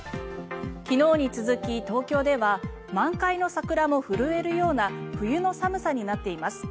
昨日に続き東京では満開の桜も震えるような冬の寒さになっています。